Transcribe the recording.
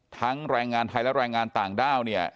แรงงานไทยและแรงงานต่างด้าวเนี่ย